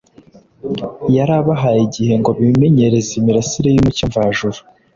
, yari abahaye igihe ngo bimenyereze imirasire y’umucyo mvajuru